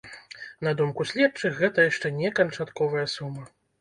На думку следчых, гэта яшчэ не канчатковая сума.